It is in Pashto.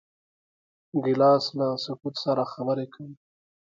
ګیلاس له سکوت سره خبرې کوي.